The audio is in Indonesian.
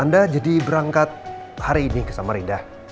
anda jadi berangkat hari ini kesama rinda